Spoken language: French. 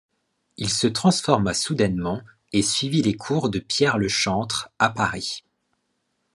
Il se transforma soudainement et suivit les cours de Pierre le Chantre à Paris.